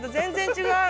違う？